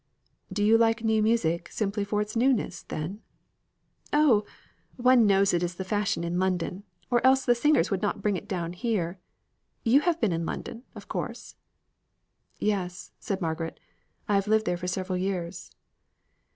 "Do you like new music simply for its newness, then?" "Oh; one knows it is the fashion in London, or else the singers would not bring it down here. You have been in London, of course." "Yes," said Margaret, "I have lived there for several years."